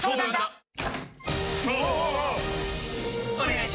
お願いします！！！